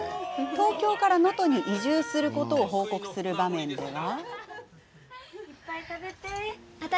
東京から能登に移住することを報告する場面では。